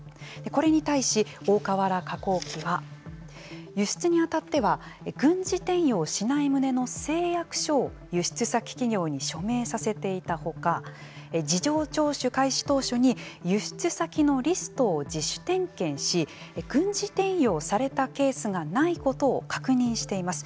これに対し、大川原化工機は輸出に当たっては軍事転用しない旨の誓約書を輸出先企業に署名させていたほか事情聴取開始当初に輸出先のリストを自主点検し軍事転用されたケースがないことを確認しています。